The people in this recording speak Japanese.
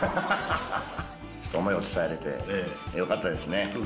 思いを伝えれてよかったですね。